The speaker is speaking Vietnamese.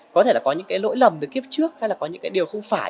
có thể có những lỗi lầm từ kiếp trước hay là có những điều không phải